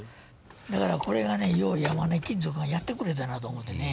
だからこれがねよう山根金属がやってくれたなと思てね。